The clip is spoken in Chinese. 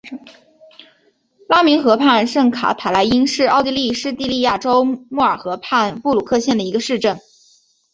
拉明河畔圣卡塔赖因是奥地利施蒂利亚州穆尔河畔布鲁克县的一个市镇。